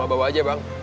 sama bapak aja bang